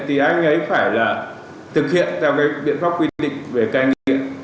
thì anh ấy phải là thực hiện theo cái biện pháp quy định về cai nghiện